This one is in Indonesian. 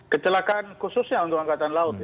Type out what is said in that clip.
kecelakaan khususnya untuk angkatan laut